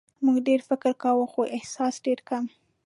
موږ ډېر فکر کوو خو احساس ډېر کم.